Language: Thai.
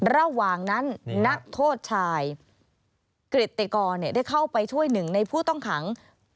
ระหว่างนั้นนักโทษชายกริตติกรได้เข้าไปช่วยหนึ่งในผู้ต้องขัง